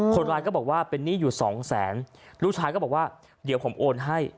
คนร้ายก็บอกว่าเป็นหนี้อยู่สองแสนลูกชายก็บอกว่าเดี๋ยวผมโอนให้